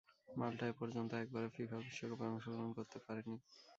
মাল্টা এপর্যন্ত একবারও ফিফা বিশ্বকাপে অংশগ্রহণ করতে পারেনি।